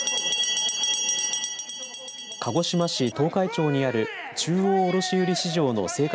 鹿児島市東開町にある中央卸売市場の青果